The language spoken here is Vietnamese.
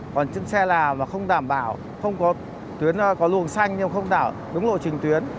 còn chiếc xe nào mà không đảm bảo không có tuyến có luồng xanh nhưng không đảo đúng lộ trình tuyến